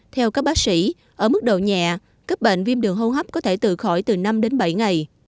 theo các bác sĩ ở mức độ nhẹ các bệnh viêm đường hô hấp có thể từ khỏi từ năm đến bảy ngày